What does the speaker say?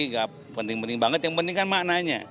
nggak penting penting banget yang penting kan maknanya